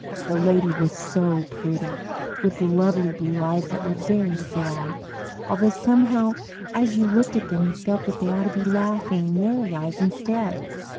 The lady was so pretty, with lovely blue eyes that were very sad, although somehow as you looked at them you felt that they ought to be laughing, merry eyes instead.